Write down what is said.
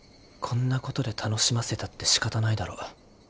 こんなことで楽しませたってしかたないだろ。